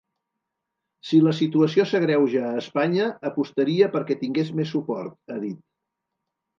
Si la situació s’agreuja a Espanya, apostaria perquè tingués més suport, ha dit.